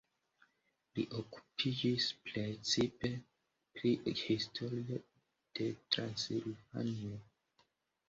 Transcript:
Li okupiĝis precipe pri historio de Transilvanio.